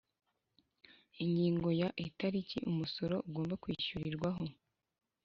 Ingingo ya Itariki umusoro ugomba kwishyurirwaho